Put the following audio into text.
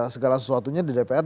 segala sesuatunya di dpr